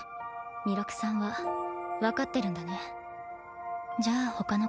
弥勒さんは分かってるんだね。